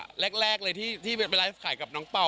สมัยก่อนมุกโกะแรกเลยที่ไปไลฟ์ขายกับน้องเปล่า